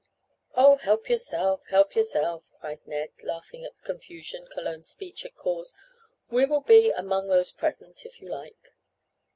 "Oh, help yourself! Help yourself!" cried Ned, laughing at the confusion Cologne's speech had caused. "We will be 'among those present' if you like."